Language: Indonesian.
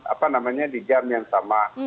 apa namanya di jam yang sama